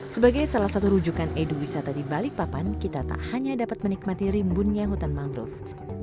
sebagai salah satu rujukan edu wisata di balikpapan kita tak hanya dapat menikmati rimbunnya hutan mangrove